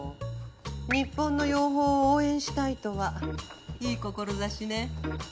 日本の養蜂を応援したいとはいい志ね。